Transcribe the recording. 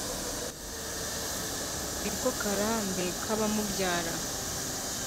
ni ko karande k’abamubyara.